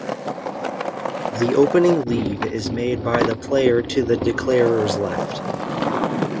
The opening lead is made by the player to the declarer's left.